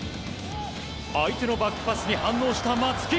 相手のバックパスに反応した松木。